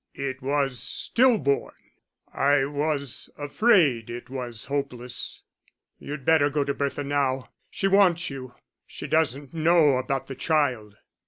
"It was still born. I was afraid it was hopeless. You'd better go to Bertha now she wants you. She doesn't know about the child."